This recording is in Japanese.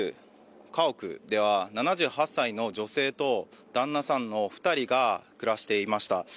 家屋では７８歳の女性と旦那さんの２人が暮らしていました。